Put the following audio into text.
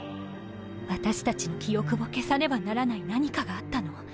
私たちの記憶を消さねばならない何かがあったの？